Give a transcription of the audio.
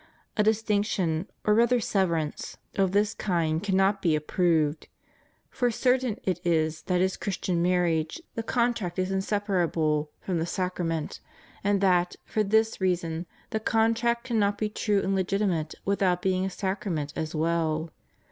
A distinction, or rather severance, ' Trid. hesm. xxiv can. 4, 12. CHRISTIAN MARRIAGE. 71 of this kind cannot be approved; for certain it is that is Christian marriage the contract is inseparable from the sacrament; and that, for this reason, the contract cannot be true and legitimate without being a sacrament as well.